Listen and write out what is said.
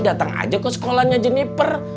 datang aja ke sekolahnya jenniper